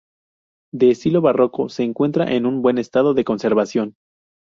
De estilo barroco, se encuentra en un buen estado de conservación.